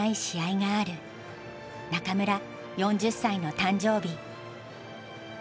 中村４０歳の誕生日。